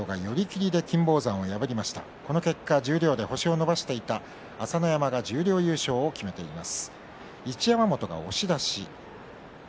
十両で星を伸ばしていった朝乃山が十両優勝を決めています。